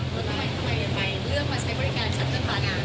ไปวางดอกไม้ทำไมไม่ไปเลือกมาใช้บริการชัดตั้งปรากฏอาหาร